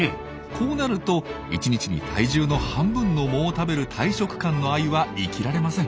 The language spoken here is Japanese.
こうなると１日に体重の半分の藻を食べる大食漢のアユは生きられません。